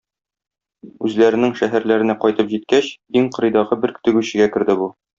Үзләренең шәһәрләренә кайтып җиткәч, иң кырыйдагы бер тегүчегә керде бу.